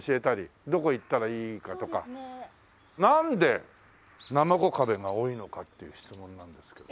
なんでなまこ壁が多いのかっていう質問なんですけど。